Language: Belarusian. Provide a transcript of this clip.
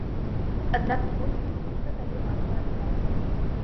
Аднак эколагі хутка далі варты адказ.